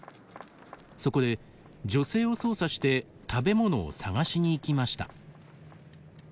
そこで、女性を操作して食べ物を探しに行きました。